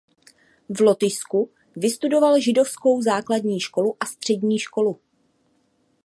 V Lotyšsku vystudoval židovskou základní školu a střední školu.